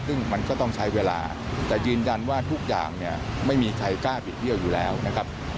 ซึ่งมันก็ต้องใช้เวลาแต่ยืนยันว่าทุกอย่างเนี่ยไม่มีใครกล้าบิดเบี้ยวอยู่แล้วนะครับ